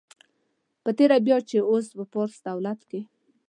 په تېره بیا چې اوس په فارس دولت کې.